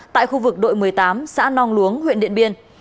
tại khu vực đội một mươi tám xã nong luống huyện điện biên